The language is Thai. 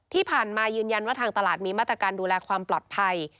ที่ผ่านมายืนยันว่าทางตลาดมีมาตรการดูแลความปลอดภัย